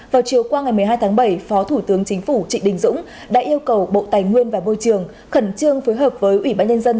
vào chiều qua ngày một mươi hai tháng bảy phó thủ tướng chính phủ trịnh đình dũng đã yêu cầu bộ tài nguyên và môi trường khẩn trương phối hợp với ủy ban nhân dân